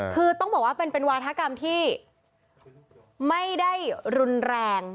คือต้องบอกว่าเป็นวาธกรรมที่ไม่ได้รุนแรง